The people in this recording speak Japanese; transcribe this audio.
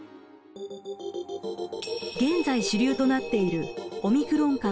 現在主流となっているオミクロン株ＢＡ．５。